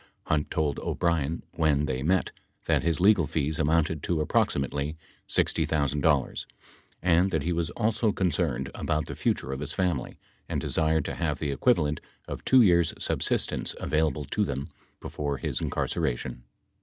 13 Hunt told O'Brien when they met that his legal fees amounted to approximately $60,000, and that he was also concerned about the future of his family and desired to have the equivalent of 2 years' subsistence available to them before his incarceration.